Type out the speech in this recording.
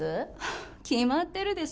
決まってるでしょ？